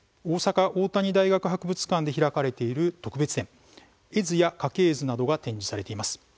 大阪大谷大学博物館で開かれている特別展、絵図や家系図などが展示されています。